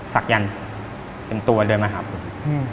สักยันเป็นตัวเดินมาหาผม